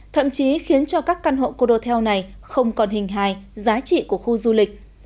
thậm chí khiến cho các căn hộ condotel này không còn hình hài giá trị của khu du lịch